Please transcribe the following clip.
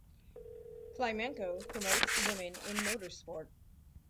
Klimenko promotes women in motorsport.